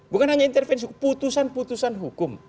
bukan hanya intervensi hukum putusan putusan hukum